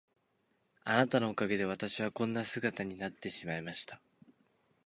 あなたのおかげで私はこんな姿になってしまいました。